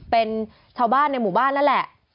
เป็นชาวบ้านในหมู่บ้านนั่นแหละ